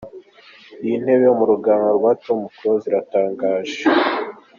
Iyi ntebe yo mu ruganiriro kwa Tom Close iratangaje.